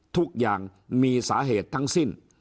ทุกอย่างมีสาเหตุทั้งสิ้น